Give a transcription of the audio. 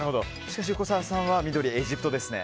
しかし、横澤さんは緑、エジプトですね。